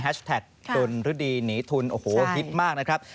แฮชแท็กโดนฤดีหนีทุนโอ้โหฮิตมากนะครับ